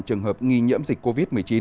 trường hợp nghi nhiễm dịch covid một mươi chín